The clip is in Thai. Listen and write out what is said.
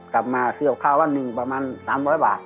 กลับมาซื้อกับข้าววันหนึ่งประมาณ๓๐๐บาท